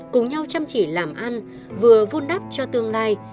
cũng nhau chăm chỉ làm ăn vừa vuôn đắp cho tương lai